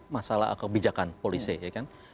masalah kebijakan polisi ya kan